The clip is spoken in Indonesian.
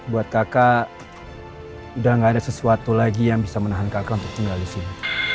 buat kakak sudah tidak ada sesuatu lagi yang bisa menahan kakak untuk mengalih sini